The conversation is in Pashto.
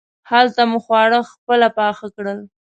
هلته مو خواړه خپله پاخه کړل.